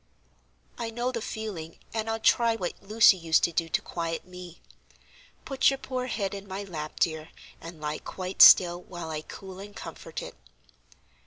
"I know the feeling, and I'll try what Lucy used to do to quiet me. Put your poor head in my lap, dear, and lie quite still while I cool and comfort it."